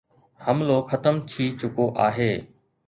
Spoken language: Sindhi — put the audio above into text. حملو ختم ٿي چڪو آهي.